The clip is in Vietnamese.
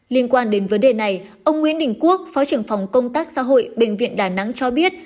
liên quan đến vấn đề này ông nguyễn đình quốc phó trưởng phòng công tác xã hội bệnh viện đà nẵng cho biết